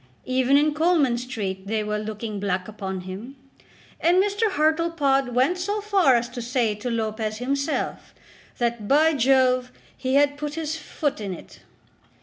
Even in Coleman Street they were looking black upon him, and Mr. Hartlepod went so far as to say to Lopez himself, that, "by Jove, he had put his foot in it."